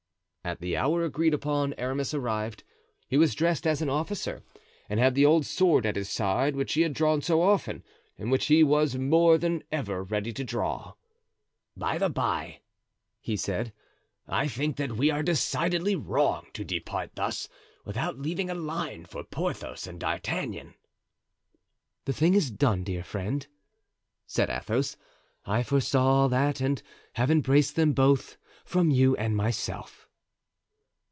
At the hour agreed upon Aramis arrived; he was dressed as an officer and had the old sword at his side which he had drawn so often and which he was more than ever ready to draw. "By the bye," he said, "I think that we are decidedly wrong to depart thus, without leaving a line for Porthos and D'Artagnan." "The thing is done, dear friend," said Athos; "I foresaw that and have embraced them both from you and myself."